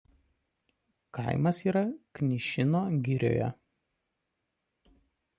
Kaimas yra Knišino girioje.